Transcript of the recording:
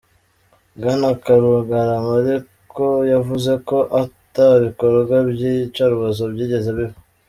Bwana Karugarama ariko yavuze ko ata bikorwa by’iyicarubozo byigeze biba.